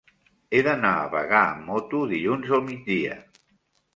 He d'anar a Bagà amb moto dilluns al migdia.